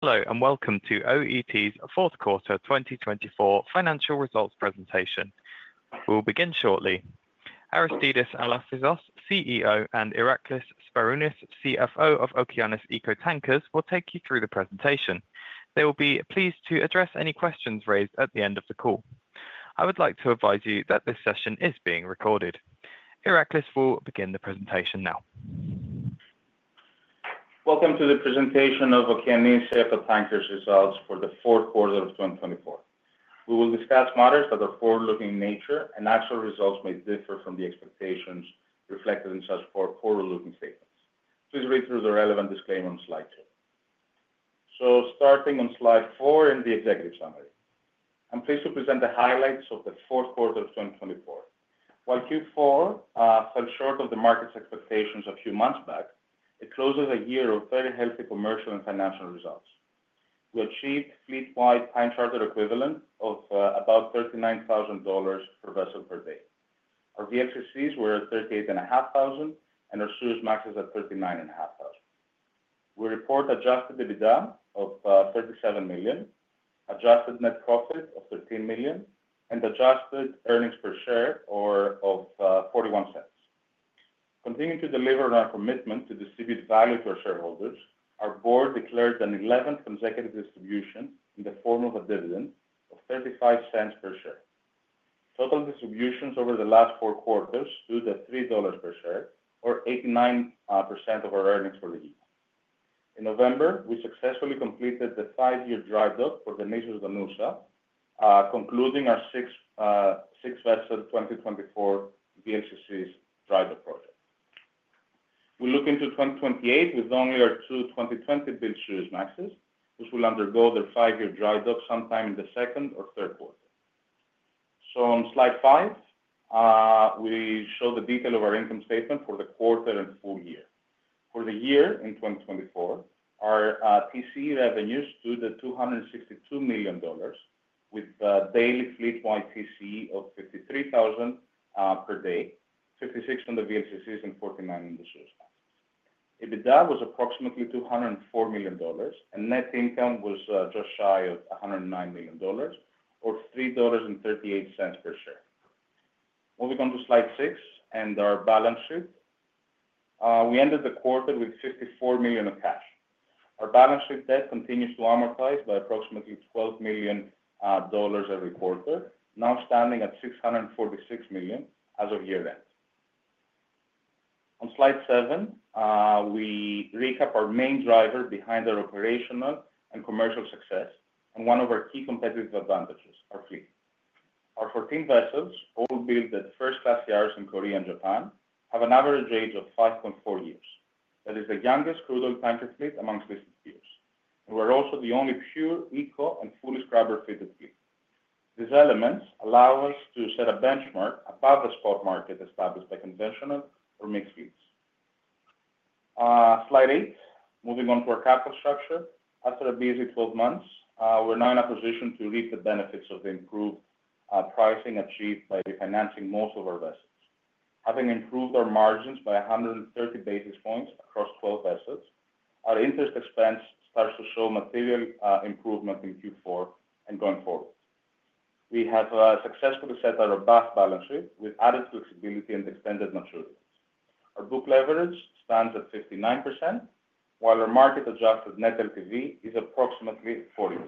Hello and welcome to OET's fourth quarter 2024 financial results presentation. We will begin shortly. Aristidis Alafouzos, CEO, and Iraklis Sbarounis, CFO of Okeanis Eco Tankers, will take you through the presentation. They will be pleased to address any questions raised at the end of the call. I would like to advise you that this session is being recorded. Iraklis will begin the presentation now. Welcome to the presentation of Okeanis Eco Tankers' results for the fourth quarter of 2024. We will discuss matters that are forward-looking in nature, and actual results may differ from the expectations reflected in such forward-looking statements. Please read through the relevant disclaimer on slide two. Starting on slide four in the executive summary, I'm pleased to present the highlights of the fourth quarter of 2024. While Q4 fell short of the market's expectations a few months back, it closed with a year of very healthy commercial and financial results. We achieved fleet-wide time charter equivalent of about $39,000 per vessel per day. Our VLCCs were at 38,500, and our Suezmaxes at 39,500. We report adjusted EBITDA of $37 million, adjusted net profit of $13 million, and adjusted earnings per share of $0.41. Continuing to deliver on our commitment to distribute value to our shareholders, our board declared an 11th consecutive distribution in the form of a dividend of $0.35 per share. Total distributions over the last four quarters totaled at $3 per share, or 89% of our earnings for the year. In November, we successfully completed the five-year dry dock for the Nissos Donoussa, concluding our six-vessel 2024 VLCCs dry dock project. We look to 2028 with only our two 2020 built Suezmaxes, which will undergo their five-year dry dock sometime in the second or third quarter. So, on slide five, we show the detail of our income statement for the quarter and full year. For the year in 2024, our TCE revenues totaled $262 million, with daily fleet-wide TCE of $53,000 per day, $56,000 on the VLCCs and $49,000 on the Suezmaxes. EBITDA was approximately $204 million, and net income was just shy of $109 million, or $3.38 per share. Moving on to slide six and our balance sheet, we ended the quarter with $54 million of cash. Our balance sheet debt continues to amortize by approximately $12 million every quarter, now standing at $646 million as of year-end. On slide seven, we recap our main driver behind our operational and commercial success and one of our key competitive advantages, our fleet. Our 14 vessels, all built at first-class yards in Korea and Japan, have an average age of 5.4 years. That is the youngest crude oil tanker fleet among existing fleets. We are also the only pure eco and fully scrubber-fitted fleet. These elements allow us to set a benchmark above the spot market established by conventional or mixed fleets. Slide eight, moving on to our capital structure. After a busy 12 months, we're now in a position to reap the benefits of the improved pricing achieved by refinancing most of our vessels. Having improved our margins by 130 basis points across 12 vessels, our interest expense starts to show material improvement in Q4 and going forward. We have successfully set our robust balance sheet with added flexibility and extended maturity. Our book leverage stands at 59%, while our market-adjusted net LTV is approximately 40%.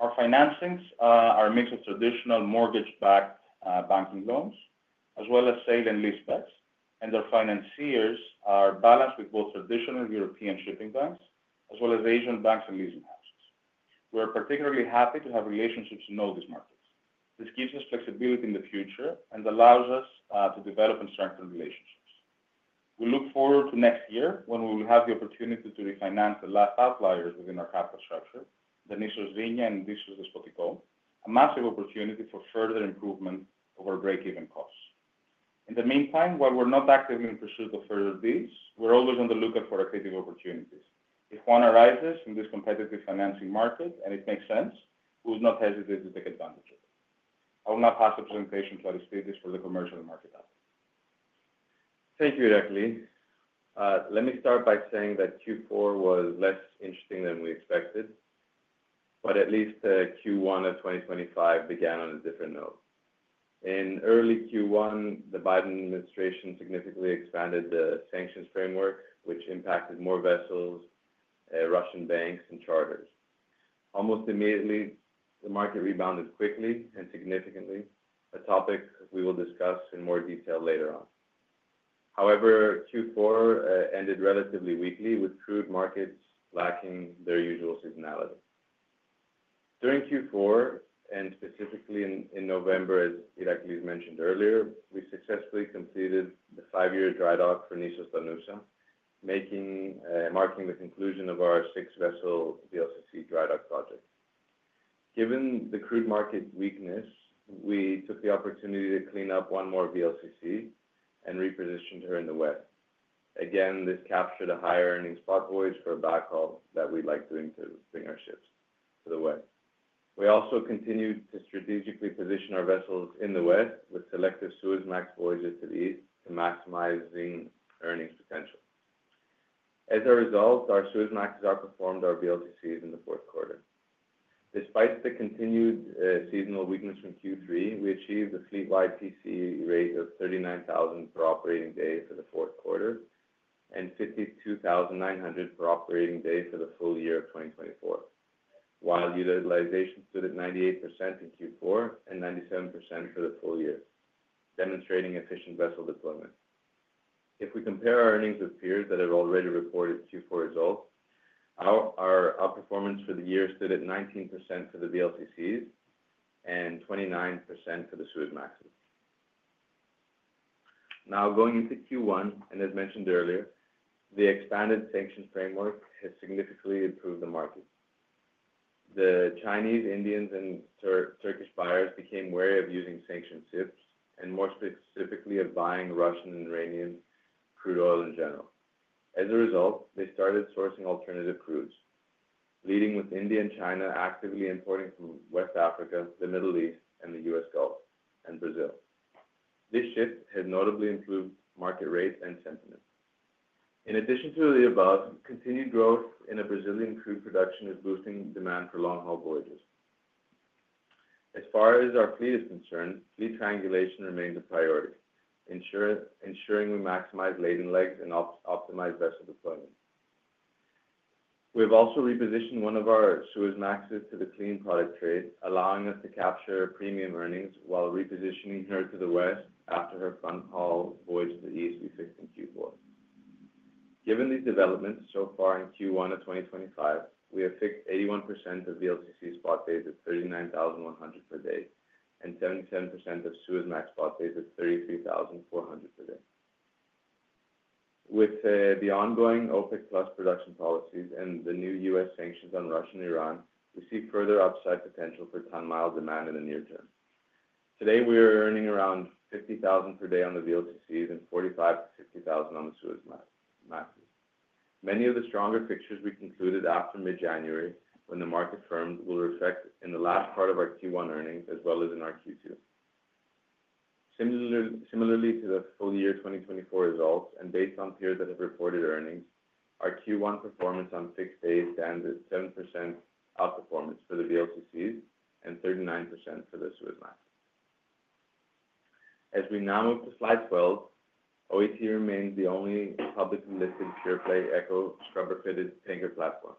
Our financings are a mix of traditional mortgage-backed banking loans, as well as sale and leasebacks, and our financiers are balanced with both traditional European shipping banks as well as Asian banks and leasing houses. We are particularly happy to have relationships in all these markets. This gives us flexibility in the future and allows us to develop and strengthen relationships. We look forward to next year when we will have the opportunity to refinance the last outliers within our capital structure, the Nissos Aegina and Nissos Despotiko, a massive opportunity for further improvement of our breakeven costs. In the meantime, while we're not actively in pursuit of further deals, we're always on the lookout for creative opportunities. If one arises in this competitive financing market and it makes sense, we will not hesitate to take advantage of it. I will now pass the presentation to Aristidis for the commercial market. Thank you, Iraklis. Let me start by saying that Q4 was less interesting than we expected, but at least Q1 of 2025 began on a different note. In early Q1, the Biden administration significantly expanded the sanctions framework, which impacted more vessels, Russian banks, and charters. Almost immediately, the market rebounded quickly and significantly, a topic we will discuss in more detail later on. However, Q4 ended relatively weakly, with crude markets lacking their usual seasonality. During Q4, and specifically in November, as Iraklis mentioned earlier, we successfully completed the five-year dry dock for Nissos Donoussa, marking the conclusion of our six-vessel VLCC dry dock project. Given the crude market weakness, we took the opportunity to clean up one more VLCC and repositioned her in the west. Again, this captured a higher earnings spot voyage for a backhaul that we'd like doing to bring our ships to the west. We also continued to strategically position our vessels in the west with selective Suezmax voyages to the east to maximize earnings potential. As a result, our Suezmaxes outperformed our VLCCs in the fourth quarter. Despite the continued seasonal weakness from Q3, we achieved a fleet-wide TCE rate of 39,000 per operating day for the fourth quarter and 52,900 per operating day for the full year of 2024, while utilization stood at 98% in Q4 and 97% for the full year, demonstrating efficient vessel deployment. If we compare our earnings with peers that have already reported Q4 results, our outperformance for the year stood at 19% for the VLCCs and 29% for the Suezmaxes. Now, going into Q1, and as mentioned earlier, the expanded sanctions framework has significantly improved the market. The Chinese, Indians, and Turkish buyers became wary of using sanctioned ships and more specifically of buying Russian and Iranian crude oil in general. As a result, they started sourcing alternative crudes, leading with India and China actively importing from West Africa, the Middle East, and the U.S. Gulf and Brazil. This shift has notably improved market rates and sentiment. In addition to the above, continued growth in Brazilian crude production is boosting demand for long-haul voyages. As far as our fleet is concerned, fleet triangulation remains a priority, ensuring we maximize laden legs and optimize vessel deployment. We have also repositioned one of our Suezmaxes to the clean product trade, allowing us to capture premium earnings while repositioning her to the west after her fronthaul voyage to the east we fixed in Q4. Given these developments so far in Q1 of 2025, we have fixed 81% of VLCC spot days at $39,100 per day and 77% of Suezmax spot days at $33,400 per day. With the ongoing OPEC+ production policies and the new U.S. sanctions on Russia and Iran, we see further upside potential for ton-mile demand in the near term. Today, we are earning around $50,000 per day on the VLCCs and $45,000-$50,000 on the Suezmaxes. Many of the stronger fixtures we concluded after mid-January when the market firms will reflect in the last part of our Q1 earnings as well as in our Q2. Similarly to the full year 2024 results and based on peers that have reported earnings, our Q1 performance on fixed days stands at 7% outperformance for the VLCCs and 39% for the Suezmaxes. As we now move to slide 12, OET remains the only publicly listed pure play eco scrubber fitted tanker platform,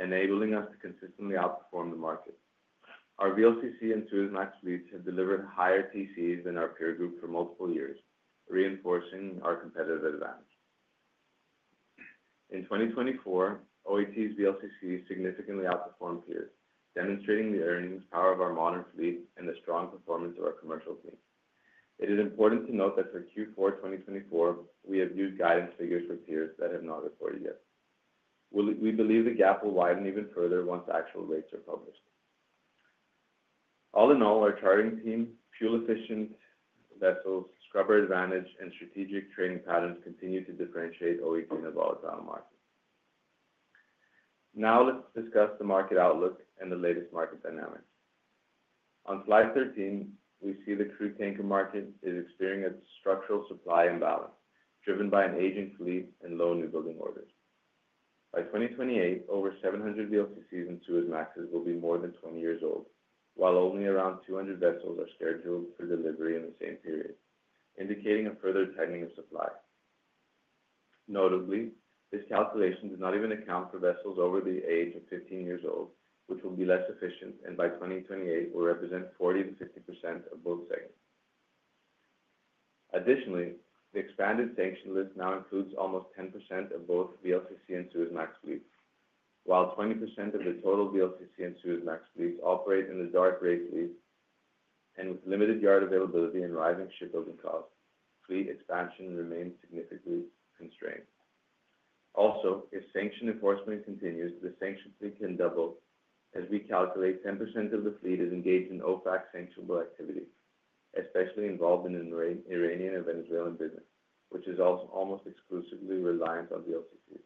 enabling us to consistently outperform the market. Our VLCC and Suezmax fleets have delivered higher TCEs than our peer group for multiple years, reinforcing our competitive advantage. In 2024, OET's VLCCs significantly outperformed peers, demonstrating the earnings power of our modern fleet and the strong performance of our commercial fleet. It is important to note that for Q4 2024, we have used guidance figures for peers that have not reported yet. We believe the gap will widen even further once actual rates are published. All in all, our chartering team, fuel-efficient vessels, scrubber advantage, and strategic trading patterns continue to differentiate OET in a volatile market. Now, let's discuss the market outlook and the latest market dynamics. On slide 13, we see the crude tanker market is experiencing a structural supply imbalance driven by an aging fleet and low newbuilding orders. By 2028, over 700 VLCCs and Suezmaxes will be more than 20 years old, while only around 200 vessels are scheduled for delivery in the same period, indicating a further tightening of supply. Notably, this calculation does not even account for vessels over the age of 15 years old, which will be less efficient and by 2028 will represent 40%-50% of both segments. Additionally, the expanded sanction list now includes almost 10% of both VLCC and Suezmax fleets, while 20% of the total VLCC and Suezmax fleets operate in the dark fleet and with limited yard availability and rising shipbuilding costs, fleet expansion remains significantly constrained. Also, if sanction enforcement continues, the sanction fleet can double as we calculate 10% of the fleet is engaged in OPEC sanctionable activities, especially involved in Iranian and Venezuelan business, which is almost exclusively reliant on VLCCs.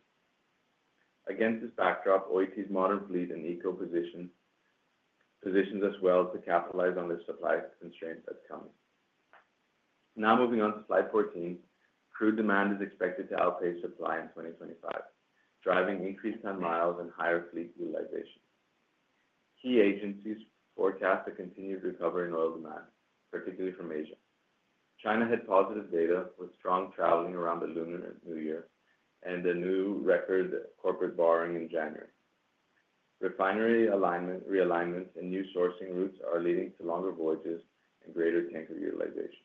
Against this backdrop, OET's modern fleet and eco position positions us well to capitalize on this supply constraint that's coming. Now moving on to slide 14, crude demand is expected to outpace supply in 2025, driving increased ton-miles and higher fleet utilization. Key agencies forecast a continued recovery in oil demand, particularly from Asia. China had positive data with strong traveling around the Lunar New Year and a new record corporate borrowing in January. Refinery realignments and new sourcing routes are leading to longer voyages and greater tanker utilization.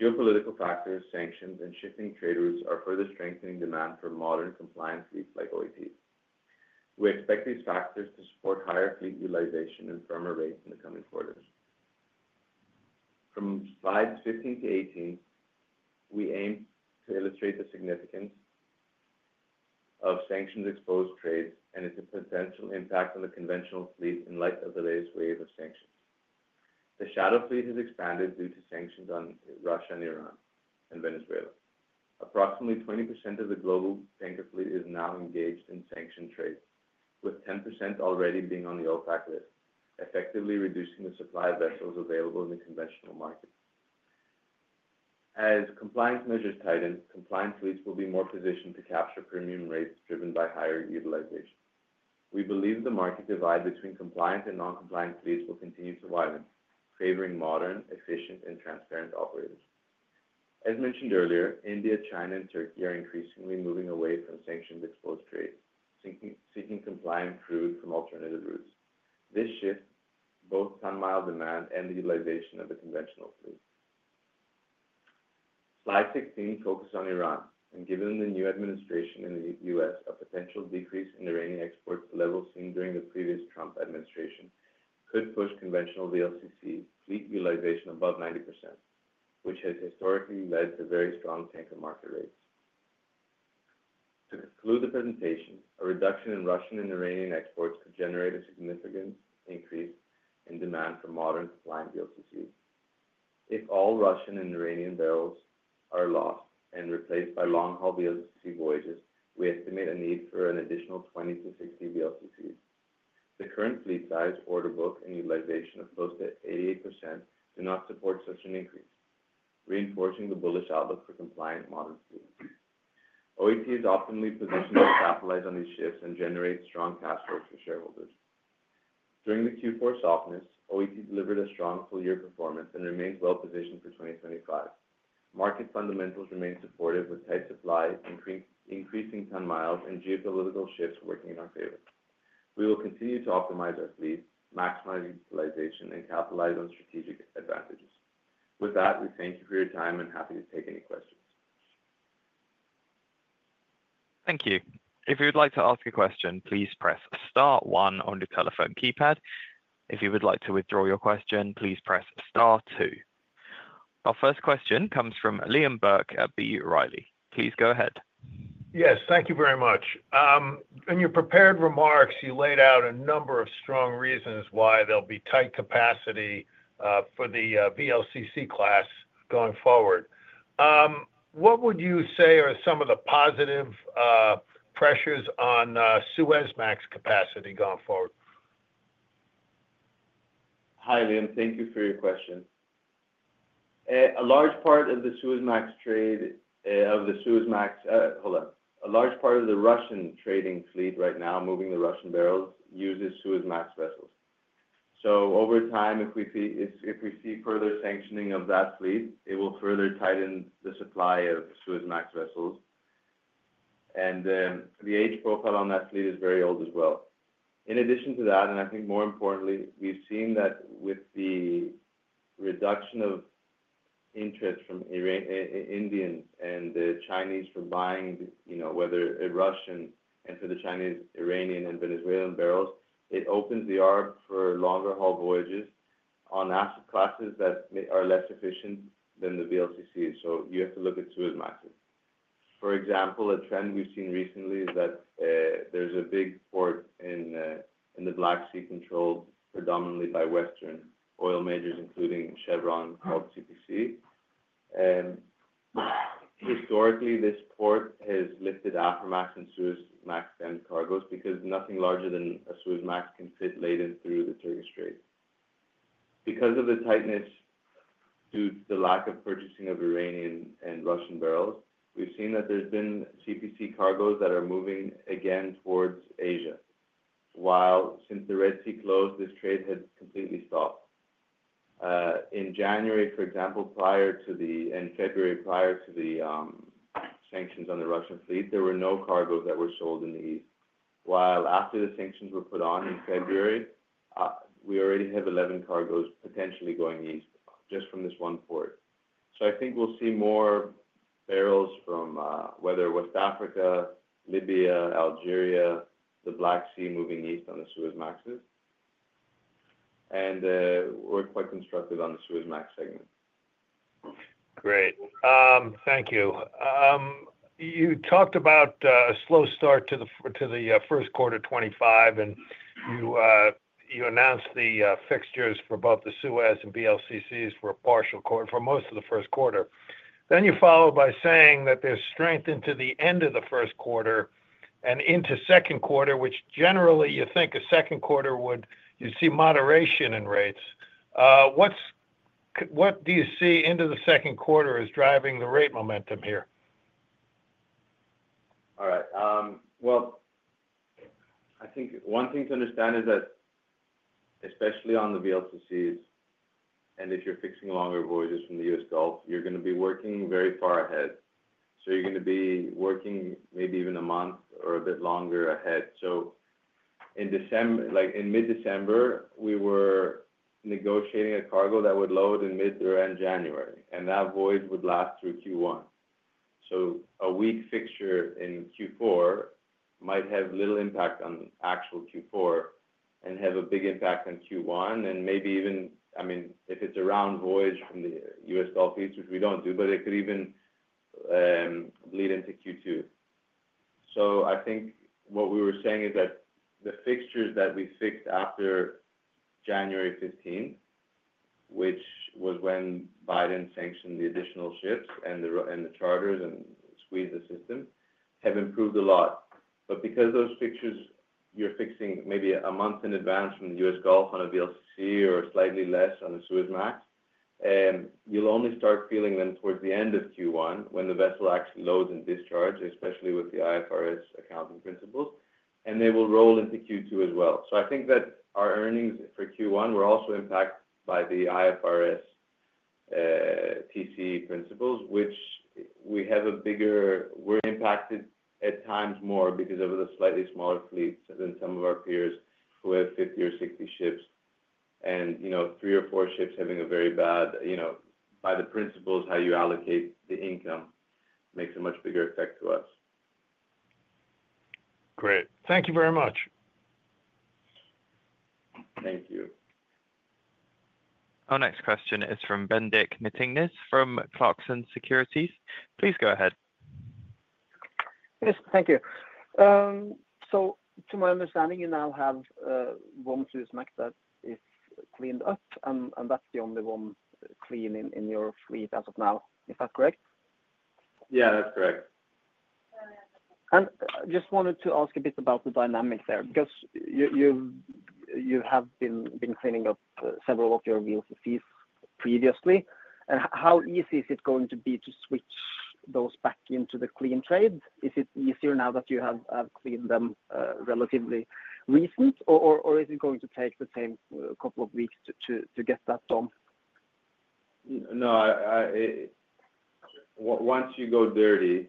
Geopolitical factors, sanctions, and shifting trade routes are further strengthening demand for modern compliant fleets like OET. We expect these factors to support higher fleet utilization and firmer rates in the coming quarters. From slides 15 to 18, we aim to illustrate the significance of sanctions-exposed trades and its potential impact on the conventional fleet in light of the latest wave of sanctions. The shadow fleet has expanded due to sanctions on Russia, Iran, and Venezuela. Approximately 20% of the global tanker fleet is now engaged in sanctioned trade, with 10% already being on the OPEC list, effectively reducing the supply of vessels available in the conventional market. As compliant measures tighten, compliant fleets will be more positioned to capture premium rates driven by higher utilization. We believe the market divide between compliant and non-compliant fleets will continue to widen, favoring modern, efficient, and transparent operators. As mentioned earlier, India, China, and Turkey are increasingly moving away from sanctions-exposed trade, seeking compliant crude from alternative routes. This shifts both ton-mile demand and the utilization of the conventional fleet. Slide 16 focuses on Iran, and given the new administration in the U.S., a potential decrease in Iranian exports to levels seen during the previous Trump administration could push conventional VLCC fleet utilization above 90%, which has historically led to very strong tanker market rates. To conclude the presentation, a reduction in Russian and Iranian exports could generate a significant increase in demand for modern compliant VLCCs. If all Russian and Iranian barrels are lost and replaced by long-haul VLCC voyages, we estimate a need for an additional 20-60 VLCCs. The current fleet size, order book, and utilization of close to 88% do not support such an increase, reinforcing the bullish outlook for compliant modern fleets. OET is optimally positioned to capitalize on these shifts and generate strong cash flows for shareholders. During the Q4 softness, OET delivered a strong full-year performance and remains well-positioned for 2025. Market fundamentals remain supportive with tight supply, increasing ton-miles, and geopolitical shifts working in our favor. We will continue to optimize our fleet, maximize utilization, and capitalize on strategic advantages. With that, we thank you for your time and are happy to take any questions. Thank you. If you'd like to ask a question, please press star one on your telephone keypad. If you would like to withdraw your question, please press star two. Our first question comes from Liam Burke at B. Riley. Please go ahead. Yes, thank you very much. In your prepared remarks, you laid out a number of strong reasons why there'll be tight capacity for the VLCC class going forward. What would you say are some of the positive pressures on Suezmax capacity going forward? Hi, Liam. Thank you for your question. A large part of the Russian trading fleet right now, moving the Russian barrels, uses Suezmax vessels. So over time, if we see further sanctioning of that fleet, it will further tighten the supply of Suezmax vessels. And the age profile on that fleet is very old as well. In addition to that, and I think more importantly, we've seen that with the reduction of interest from Indians and Chinese for buying whether it's Russian and for the Chinese Iranian and Venezuelan barrels, it opens the door for longer-haul voyages on asset classes that are less efficient than the VLCCs. So you have to look at Suezmaxes. For example, a trend we've seen recently is that there's a big port in the Black Sea controlled predominantly by Western oil majors, including Chevron, called CPC. Historically, this port has lifted Aframax and Suezmax laden cargos because nothing larger than a Suezmax can fit laden through the Turkish Straits. Because of the tightness due to the lack of purchasing of Iranian and Russian barrels, we've seen that there's been CPC cargoes that are moving again towards Asia, while since the Red Sea closed, this trade had completely stopped. In January, for example, prior to the sanctions in February, there were no cargoes that were sold in the east, while after the sanctions were put on in February, we already have 11 cargoes potentially going east just from this one port. So I think we'll see more barrels from whether West Africa, Libya, Algeria, the Black Sea moving east on the Suezmaxes, and we're quite constructive on the Suezmax segment. Great. Thank you. You talked about a slow start to the first quarter 2025, and you announced the fixtures for both the Suezmax and VLCCs for most of the first quarter. Then you followed by saying that there's strength into the end of the first quarter and into second quarter, which generally you think a second quarter would you see moderation in rates. What do you see into the second quarter as driving the rate momentum here? All right. Well, I think one thing to understand is that, especially on the VLCCs and if you're fixing longer voyages from the U.S. Gulf, you're going to be working very far ahead. So you're going to be working maybe even a month or a bit longer ahead. So in mid-December, we were negotiating a cargo that would load in mid or end January, and that voyage would last through Q1. A weak fixture in Q4 might have little impact on actual Q4 and have a big impact on Q1 and maybe even I mean, if it's a round voyage from the U.S. Gulf East, which we don't do, but it could even bleed into Q2. I think what we were saying is that the fixtures that we fixed after January 15th, which was when Biden sanctioned the additional ships and the charters and squeezed the system, have improved a lot. But because those fixtures you're fixing maybe a month in advance from the U.S. Gulf on a VLCC or slightly less on a Suezmax, you'll only start feeling them towards the end of Q1 when the vessel actually loads and discharges, especially with the IFRS accounting principles, and they will roll into Q2 as well. So, I think that our earnings for Q1 were also impacted by the IFRS TCE principles, which we have a bigger impact from. We're impacted at times more because of the slightly smaller fleets than some of our peers who have 50 or 60 ships, and three or four ships having a very bad effect by the principles. How you allocate the income makes a much bigger effect to us. Great. Thank you very much. Thank you. Our next question is from Bendik Nyttingnes from Clarksons Securities. Please go ahead. Yes, thank you. So, to my understanding, you now have one Suezmax that is cleaned up, and that's the only one clean in your fleet as of now. Is that correct? Yeah, that's correct. And I just wanted to ask a bit about the dynamic there because you have been cleaning up several of your VLCCs previously. How easy is it going to be to switch those back into the clean trade? Is it easier now that you have cleaned them relatively recent, or is it going to take the same couple of weeks to get that done? No, once you go dirty,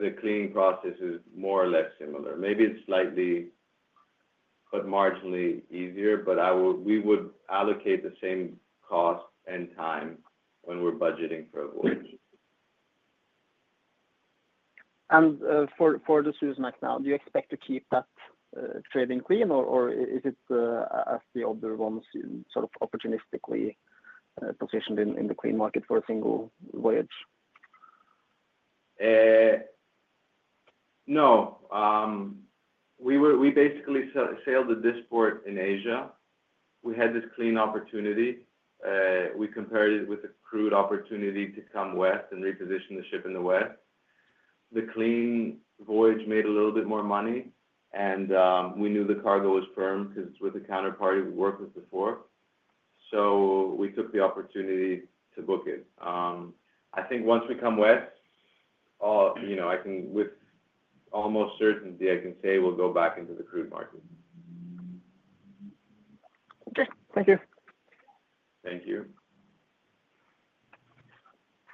the cleaning process is more or less similar. Maybe it's slightly, but marginally easier, but we would allocate the same cost and time when we're budgeting for a voyage. For the Suezmax now, do you expect to keep that trading clean, or is it as the other one sort of opportunistically positioned in the clean market for a single voyage? No. We basically sailed the discharge port in Asia. We had this clean opportunity. We compared it with a crude opportunity to come west and reposition the ship in the west. The clean voyage made a little bit more money, and we knew the cargo was firm because with the counterparty we worked with before. So we took the opportunity to book it. I think once we come west, with almost certainty, I can say we'll go back into the crude market. Okay. Thank you. Thank you.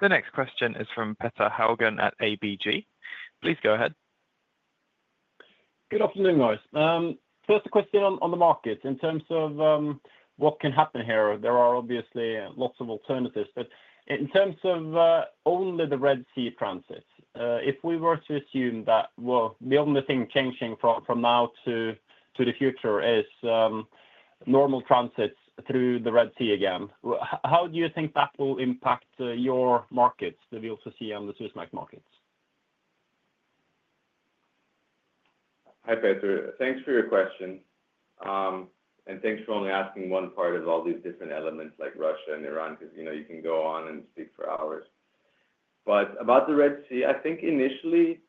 The next question is from Petter Haugen at ABG. Please go ahead. Good afternoon, guys. First, a question on the market. In terms of what can happen here, there are obviously lots of alternatives, but in terms of only the Red Sea transit, if we were to assume that, well, the only thing changing from now to the future is normal transits through the Red Sea again, how do you think that will impact your markets, the VLCC and the Suezmax markets? Hi, Petter. Thanks for your question. Thanks for only asking one part of all these different elements like Russia and Iran because you can go on and speak for hours. But about the Red Sea, I think initially,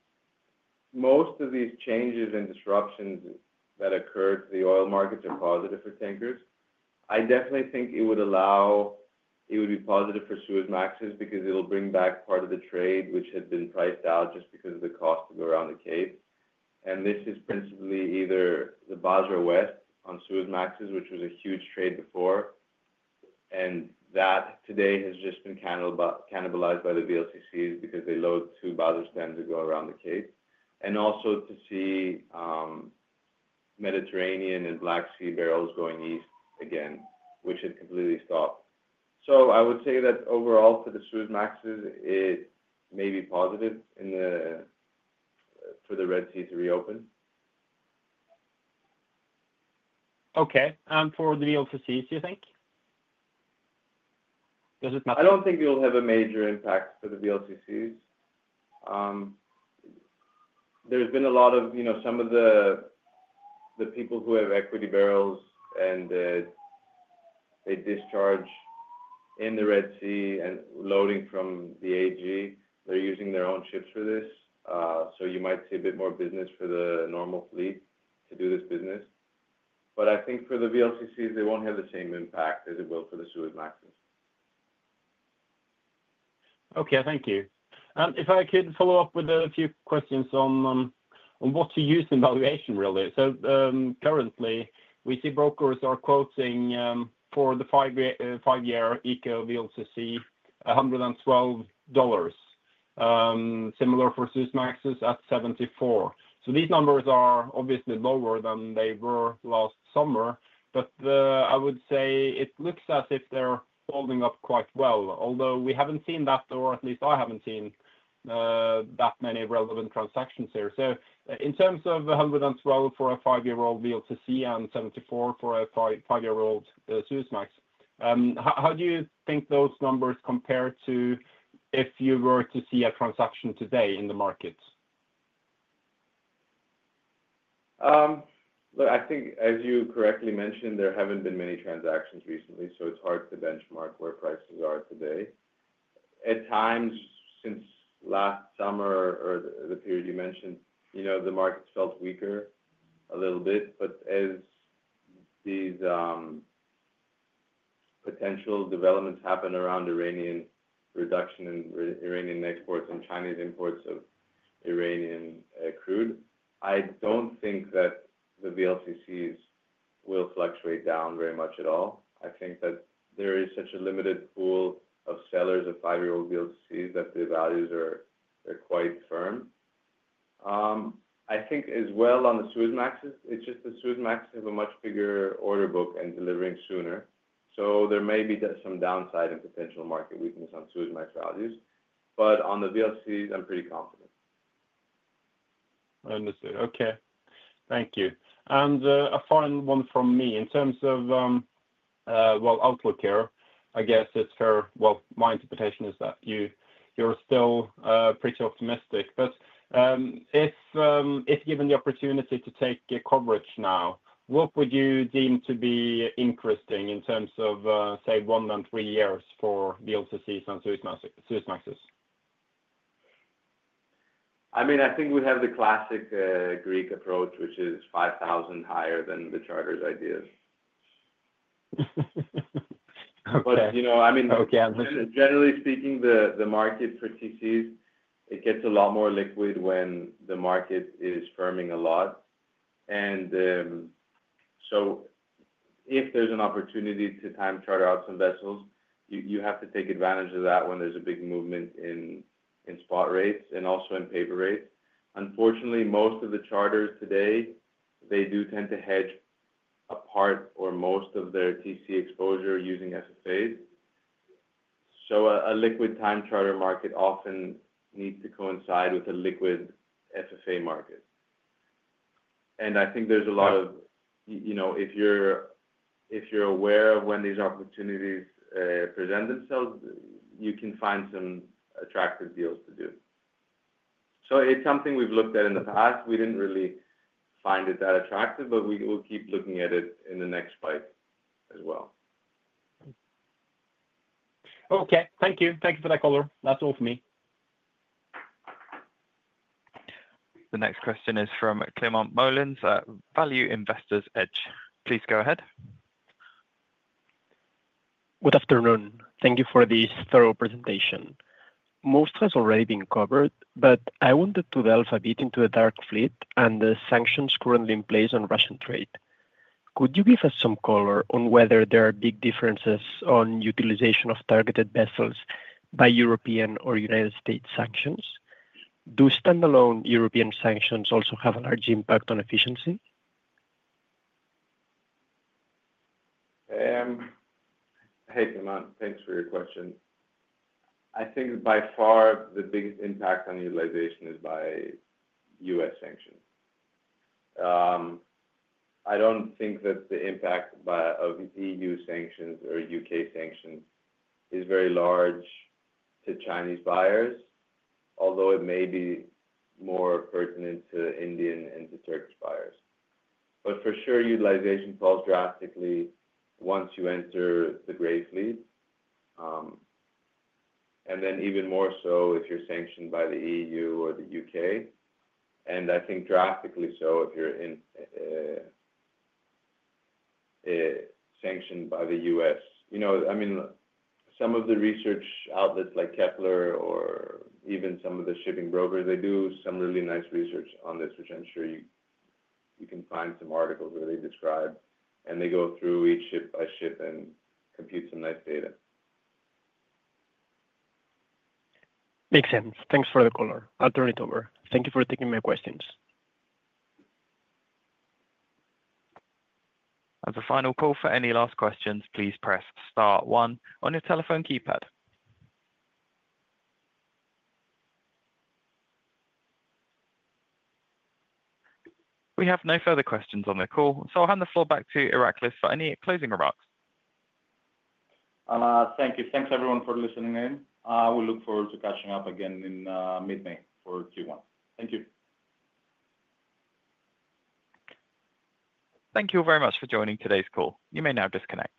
most of these changes and disruptions that occurred to the oil markets are positive for tankers. I definitely think it would allow it would be positive for Suezmaxes because it'll bring back part of the trade which had been priced out just because of the cost to go around the Cape. This is principally either the Basrah West on Suezmaxes, which was a huge trade before, and that today has just been cannibalized by the VLCCs because they load two Basrah stems to go around the Cape, and also to see Mediterranean and Black Sea barrels going east again, which had completely stopped. So I would say that overall for the Suezmaxes, it may be positive for the Red Sea to reopen. Okay. And for the VLCCs, do you think? Does it matter? I don't think it'll have a major impact for the VLCCs. There's been a lot of some of the people who have equity barrels and they discharge in the Red Sea and loading from the AG, they're using their own ships for this. So you might see a bit more business for the normal fleet to do this business. But I think for the VLCCs, they won't have the same impact as it will for the Suezmaxes. Okay. Thank you. If I could follow up with a few questions on what to use in valuation, really. So currently, we see brokers are quoting for the five-year Eco VLCC $112, similar for Suezmaxes at $74. These numbers are obviously lower than they were last summer, but I would say it looks as if they're holding up quite well, although we haven't seen that, or at least I haven't seen that many relevant transactions here. In terms of 112 for a five-year-old VLCC and 74 for a five-year-old Suezmax, how do you think those numbers compare to if you were to see a transaction today in the market? Look, I think, as you correctly mentioned, there haven't been many transactions recently, so it's hard to benchmark where prices are today. At times, since last summer or the period you mentioned, the markets felt weaker a little bit. But as these potential developments happen around Iranian reduction in Iranian exports and Chinese imports of Iranian crude, I don't think that the VLCCs will fluctuate down very much at all. I think that there is such a limited pool of sellers of five-year-old VLCCs that their values are quite firm. I think as well on the Suezmaxes, it's just the Suezmaxes have a much bigger order book and delivering sooner. So there may be some downside and potential market weakness on Suezmax values. But on the VLCCs, I'm pretty confident. I understand. Okay. Thank you. And a final one from me. In terms of, well, outlook here, I guess it's fair to say, my interpretation is that you're still pretty optimistic. But if given the opportunity to take coverage now, what would you deem to be interesting in terms of, say, one and three years for VLCCs and Suezmaxes? I mean, I think we have the classic Greek approach, which is 5,000 higher than the charter's ideas. But, I mean, generally speaking, the market for TCEs, it gets a lot more liquid when the market is firming a lot. And so if there's an opportunity to time charter out some vessels, you have to take advantage of that when there's a big movement in spot rates and also in paper rates. Unfortunately, most of the charters today, they do tend to hedge a part or most of their TCE exposure using FFAs. So a liquid time charter market often needs to coincide with a liquid FFA market. And I think there's a lot of, if you're aware of when these opportunities present themselves, you can find some attractive deals to do. So it's something we've looked at in the past. We didn't really find it that attractive, but we will keep looking at it in the next spike as well. Okay. Thank you. Thank you for that, color. That's all for me. The next question is from Climent Molins, Value Investor's Edge. Please go ahead. Good afternoon. Thank you for this thorough presentation. Most has already been covered, but I wanted to delve a bit into the dark fleet and the sanctions currently in place on Russian trade. Could you give us some color on whether there are big differences on utilization of targeted vessels by European or United States sanctions? Do standalone European sanctions also have a large impact on efficiency? Hey, Climent, thanks for your question. I think by far the biggest impact on utilization is by U.S. sanctions. I don't think that the impact of E.U. sanctions or U.K. sanctions is very large to Chinese buyers, although it may be more pertinent to Indian and to Turkish buyers. But for sure, utilization falls drastically once you enter the gray fleet, and then even more so if you're sanctioned by the E.U. or the U.K. And I think drastically so if you're sanctioned by the U.S. I mean, some of the research outlets like Kpler or even some of the shipping brokers, they do some really nice research on this, which I'm sure you can find some articles where they describe, and they go through each ship by ship and compute some nice data. Makes sense. Thanks for the color. I'll turn it over. Thank you for taking my questions. As a final call for any last questions, please press star one on your telephone keypad. We have no further questions on the call, so I'll hand the floor back to Iraklis for any closing remarks. Thank you. Thanks, everyone, for listening in. I will look forward to catching up again in mid-May for Q1. Thank you. Thank you very much for joining today's call. You may now disconnect.